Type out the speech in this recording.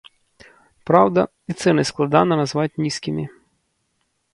Праўда, і цэны складана назваць нізкімі.